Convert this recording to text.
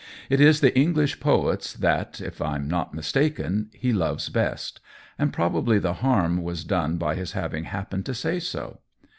It is the English poets that, if I'm not mistaken, he loves best, and probably the harm was done by his having happened to say so.